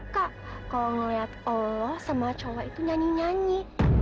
kalo ngeliat allah sama cowok itu nyanyi nyanyi